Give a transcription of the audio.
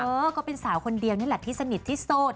เออก็เป็นสาวคนเดียวนี่แหละที่สนิทที่โสด